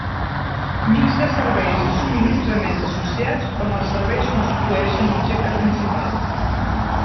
Mixt de serveis i subministraments associats on els serveis constitueixen l'objecte principal.